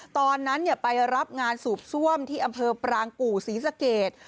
ตอนนั้นไปรับงานสูบซ่วมที่อำเภอปรางกู่ศรีสะเกด